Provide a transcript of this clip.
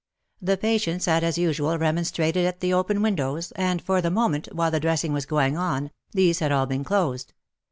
The patients had as usual remonstrated at the open windows, and for the moment, while the dressing was going on, these had all been closed.